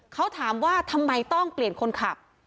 เขาถามว่าทำไมต้องเปลี่ยนคนขับ